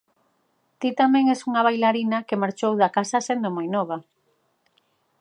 Ti tamén es unha bailarina que marchou da casa sendo moi nova.